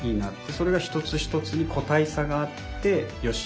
それが一つ一つに個体差があってよし。